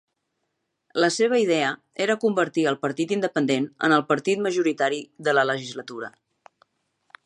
La seva idea era convertir el Partit Independent en el partit majoritari de la legislatura.